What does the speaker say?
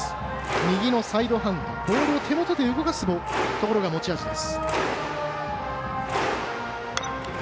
右のサイドハンドボールを手元で動かすところが持ち味です。